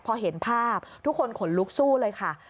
พอเห็นภาพทุกคนขนลุกสู้เลยค่ะ